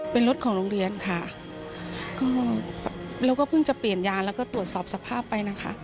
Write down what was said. เป็นรถของโรงเรียนค่ะก็เราก็เพิ่งจะเปลี่ยนยาแล้วก็ตรวจสอบสภาพไปนะคะ